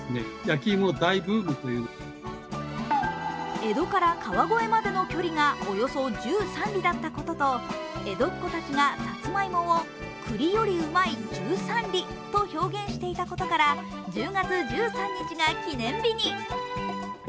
江戸から川越までの距離がおよそ１３里だったことと江戸っ子たちがさつまいもを栗よりうまい十三里と表現していたことから１０月１３日が記念日に。